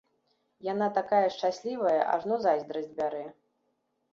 Яна такая шчаслівая, ажно зайздрасць бярэ.